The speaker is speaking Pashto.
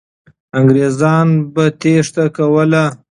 انګریزان به تېښته کوله.